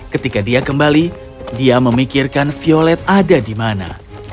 ketika dia kembali dia memikirkan violet ada di mana